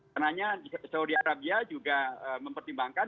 karena saudi arabia juga mempertimbangkan